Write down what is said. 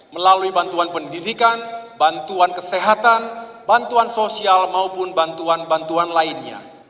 melalui bantuan pendidikan bantuan kesehatan bantuan sosial maupun bantuan bantuan lainnya